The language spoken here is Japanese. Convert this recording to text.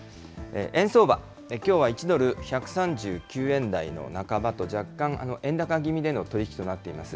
円相場、きょうは１ドル１３９円台の半ばと、若干円高気味での取り引きとなっています。